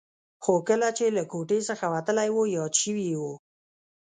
خو کله چې له کوټې څخه وتلی و یاد شوي یې و.